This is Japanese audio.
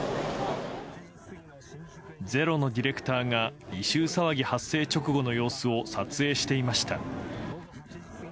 ｚｅｒｏのディレクターが、異臭騒ぎ発生直後の様子を撮影していました。